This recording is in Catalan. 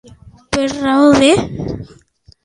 Per raó de.